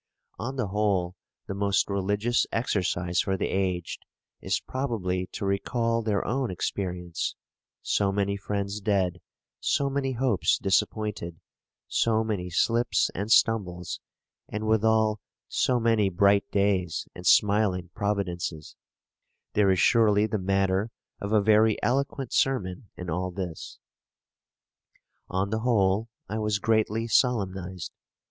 On the whole, the most religious exercise for the aged is probably to recall their own experience; so many friends dead, so many hopes disappointed, so many slips and stumbles, and withal so many bright days and smiling providences; there is surely the matter of a very eloquent sermon in all this. On the whole, I was greatly solemnised.